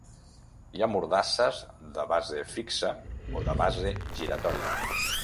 Hi ha mordasses de base fixa o de base giratòria.